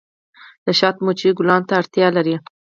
د شاتو مچۍ ګلانو ته اړتیا لري